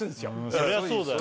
そりゃそうだよ